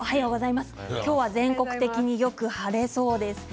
今日は全国的によく晴れそうです。